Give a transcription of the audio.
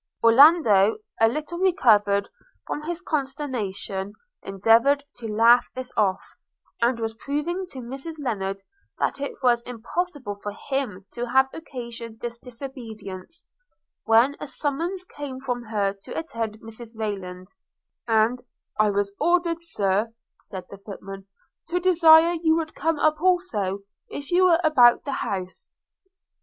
Orlando, a little recovered from his consternation, endeavoured to laugh this off, and was proving to Mrs Lennard that it was impossible for him to have occasioned this disobedience, when a summons came for her to attend Mrs Rayland; and 'I was ordered, Sir,' said the footman, 'to desire you would come up also, if you were about the house.'